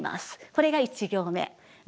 これが１行目です。